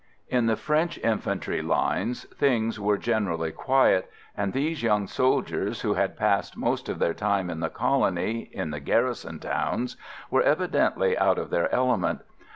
In the French infantry lines things were generally quiet, and these young soldiers, who had passed most of their time in the colony, in the garrison towns, were evidently out of their element.